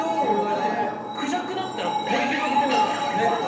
だってもうクジャクだったらこれ広げてもう。